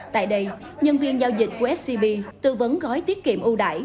tại đây nhân viên giao dịch của scb tư vấn gói tiết kiệm ưu đại